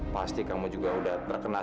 pasti kamu juga udah terkena